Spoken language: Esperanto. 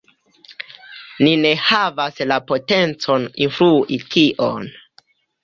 Ni ne havas la potencon influi tion.